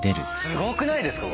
すごくないですか？